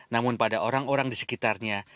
namun pada orang orang di sekitarnya